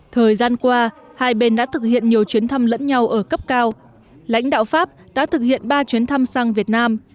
thời gian qua hai bên đã thực hiện nhiều chuyến thăm lẫn nhau ở cấp cao lãnh đạo pháp đã thực hiện ba chuyến thăm sang việt nam